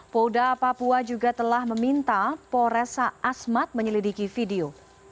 pouda papua juga telah meminta poresa asmat menyelidiki video